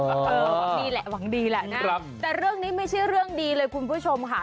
หวังดีแหละหวังดีแหละนะแต่เรื่องนี้ไม่ใช่เรื่องดีเลยคุณผู้ชมค่ะ